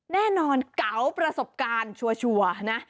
แน่นอนเก๋าประสบการณ์ชัวร์นะ